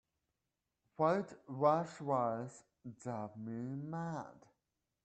White washed walls drive me mad.